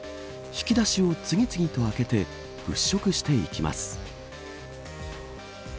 引き出しを次々と開けて物色していきます。